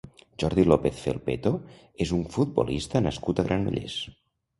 Jordi López Felpeto és un futbolista nascut a Granollers.